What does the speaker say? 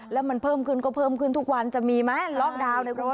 แล้วมันเพิ่มขึ้นก็เพิ่มขึ้นทุกวันจะมีไหมล็อกดาวน์